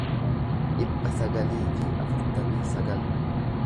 dhibba sagalii fi afurtamii sagal